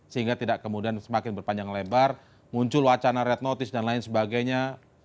sehingga tidak kemudian semakin berpanjang lebar muncul wacana red notice dan lain sebagainya